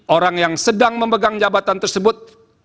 orang yang sedang memegang jabatan tersebut